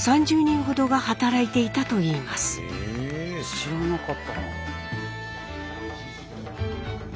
知らなかったな。